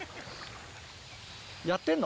やってんの？